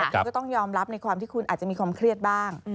คุณก็ต้องยอมรับในความที่คุณอาจจะมีความเครียดบ้าง